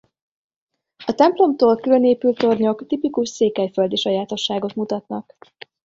A templomtól külön épült tornyok tipikus székelyföldi sajátosságot mutatnak.